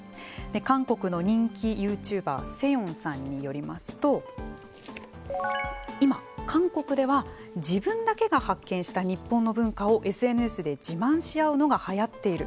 韓国の人気ユーチューバーセヨンさんによりますと今、韓国では自分だけが発見した日本の文化をＳＮＳで自慢し合うのがはやっている。